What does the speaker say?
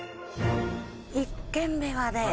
１軒目はね